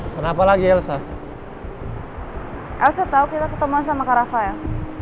kenapa lagi elsa elsa tahu kita ketemu sama kerajaan